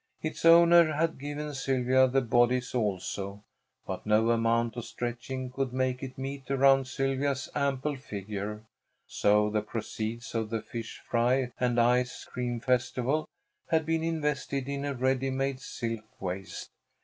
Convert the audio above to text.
Its owner had given Sylvia the bodice also, but no amount of stretching could make it meet around Sylvia's ample figure, so the proceeds of the fish fry and ice cream festival had been invested in a ready made silk waist.